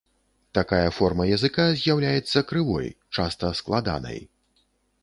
Такая форма языка з'яўляецца крывой, часта складанай.